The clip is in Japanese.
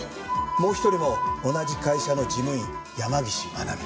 もう１人も同じ会社の事務員山岸愛美。